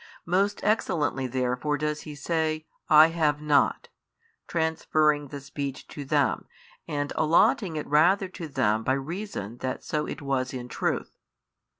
Most excellently therefore does He say, I have not, transferring the speech to them and allotting it rather to them by reason that so it was in truth.